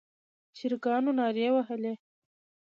چرګانو نارې وهلې.